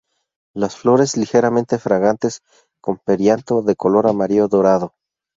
Las flores ligeramente fragantes, con perianto de color amarillo dorado.